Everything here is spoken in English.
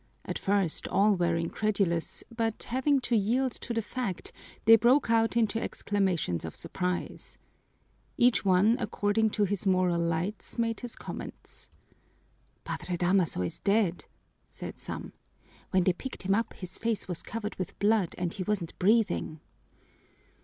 At first all were incredulous, but, having to yield to the fact, they broke out into exclamations of surprise. Each one, according to his moral lights, made his comments. "Padre Damaso is dead," said some. "When they picked him up his face was covered with blood and he wasn't breathing."